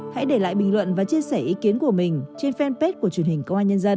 hãy để lại bình luận và chia sẻ ý kiến của mình trên fanpage của truyền hình công an nhân dân